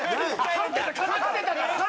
勝ってたから！